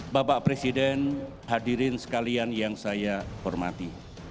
bapak presiden hadirin sekalian yang saya hormati